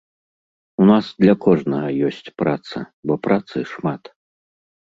У нас для кожнага ёсць праца, бо працы шмат.